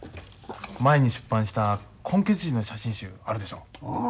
前に出版した混血児の写真集あるでしょう。